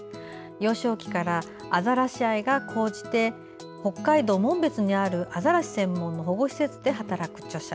幼少期からアザラシ愛が高じて北海道紋別にあるアザラシ専門の保護施設で働く著者。